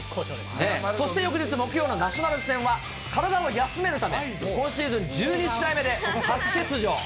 そして翌日木曜のナショナルズ戦は、体を休めるため、今シーズン１２試合目で、初欠場。